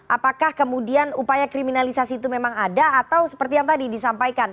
apakah kemudian upaya kriminalisasi itu memang ada atau seperti yang tadi disampaikan